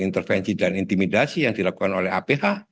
intervensi dan intimidasi yang dilakukan oleh aph